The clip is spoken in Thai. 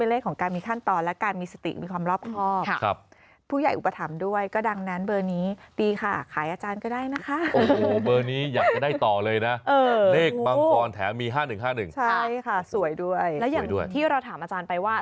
เลขมังกรแถวมี๕๑๕๑ใช่ค่ะสวยด้วยและอย่างที่เราถามอาจารย์ไปว่า